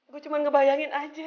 gue cuman ngebayangin aja